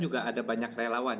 juga ada banyak relawan